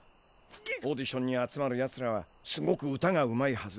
オーディションに集まるやつらはすごく歌がうまいはず。